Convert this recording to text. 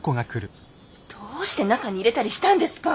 どうして中に入れたりしたんですか！